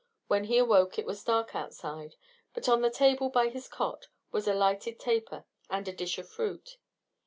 When he awoke it was dark outside, but on the table by his cot was a lighted taper and a dish of fruit.